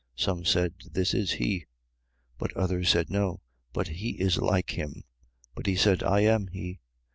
Some said: This is he. 9:9. But others said: No, but he is like him. But he said: I am he.